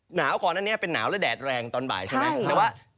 หนาวขอนั่นนี้เป็นหนาวและแดดแรงตอนบ่ายใช่ไหมแต่ว่าใช่